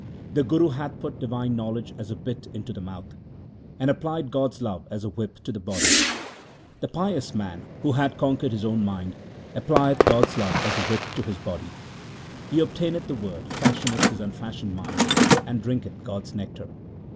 The Guru hath put divine knowledge as a bit into the mouth, And applied God's love as a whip to the body : The pious man who hath conquered his own mind, applieth God's love as a whip to his body. He obtaineth the Word, fashioneth his unfashioned mind, and drinketh God's nectar.